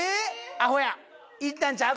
アホやいったんちゃう？